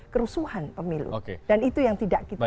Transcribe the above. kerusuhan pemilu dan itu yang tidak kita